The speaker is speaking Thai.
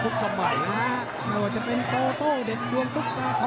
ก็เป็นโตโตเด็กความธุดรักษ์